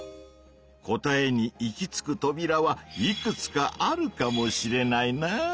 答えに行き着くトビラはいくつかあるかもしれないなぁ。